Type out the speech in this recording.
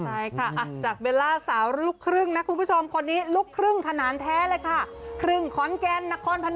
ใช่ค่ะจากเบลล่าสาวลูกครึ่งนะคุณผู้ชมคนนี้ลูกครึ่งขนาดแท้เลยค่ะครึ่งขอนแก่นนครพนม